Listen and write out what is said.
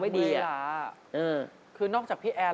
กลับมาฟังเพลง